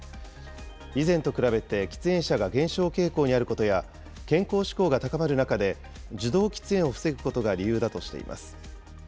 以前と比べて喫煙者が減少傾向にあることや、健康志向が高まる中で、受動喫煙を防ぐことが理由だとしています。